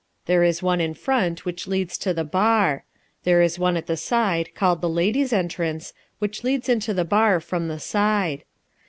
There is one in front which leads into the Bar. There is one at the side called the Ladies' Entrance which leads into the Bar from the side.